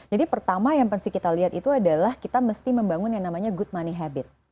jadi pertama yang mesti kita lihat itu adalah kita mesti membangun yang namanya good money habit